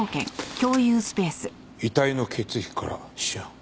遺体の血液からシアン。